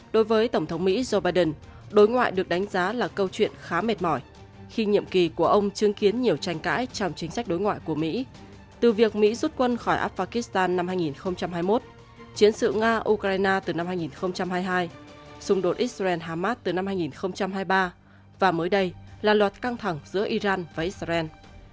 đối với tổng thống mỹ joe biden đối ngoại được đánh giá là câu chuyện khá mệt mỏi khi nhiệm kỳ của ông chương kiến nhiều tranh cãi trong chính sách đối ngoại của mỹ từ việc mỹ rút quân khỏi afghanistan năm hai nghìn hai mươi một chiến sự nga ukraine từ năm hai nghìn hai mươi hai xung đột israel harmat từ năm hai nghìn hai mươi ba và mới đây là loạt căng thẳng giữa iran và israel